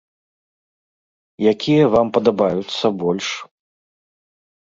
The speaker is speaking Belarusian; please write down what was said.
Якія вам падабаюцца больш?